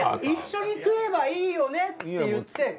一緒に食えばいいよねっていって。